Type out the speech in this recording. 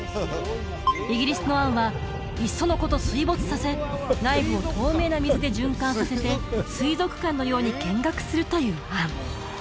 イギリスの案はいっそのこと水没させ内部を透明な水で循環させて水族館のように見学するという案